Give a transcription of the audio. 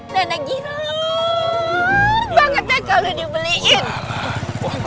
nenek gila banget deh kalau dibeliin